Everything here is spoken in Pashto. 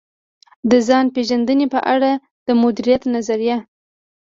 د ځان پېژندنې په اړه د مديريت نظريه.